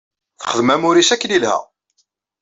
Texdem amur-is akken yelha.